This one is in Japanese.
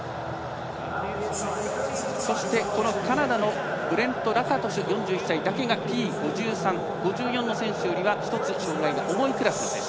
そして、カナダのブレント・ラカトシュ４１歳だけがＴ５３５４の選手よりは１つ障がいが重い選手。